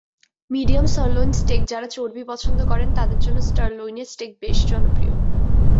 Medium sirloin স্টেকযাঁরা চর্বি পছন্দ করেন, তাঁদের কাছে সারলইনের স্টেক বেশি জনপ্রিয়।